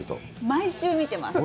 毎週見てます。